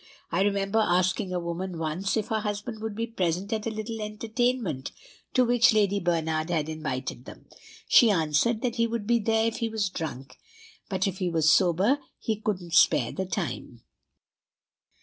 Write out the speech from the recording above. I remember asking a woman once if her husband would be present at a little entertainment to which Lady Bernard had invited them: she answered that he would be there if he was drunk, but if he was sober he couldn't spare the time.